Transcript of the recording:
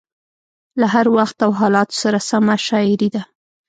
له هر وخت او حالاتو سره سمه شاعري ده.